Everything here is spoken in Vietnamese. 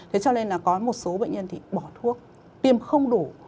thế cho nên là có một số bệnh nhân thì bỏ thuốc tiêm không đủ